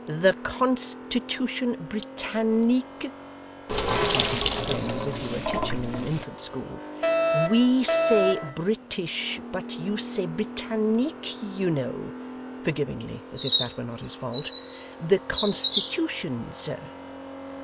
'The Constitution Britannique,' Mr Podsnap explained, as if he were teaching in an infant school. 'We Say British, But You Say Britannique, You Know' (forgivingly, as if that were not his fault). 'The Constitution, Sir.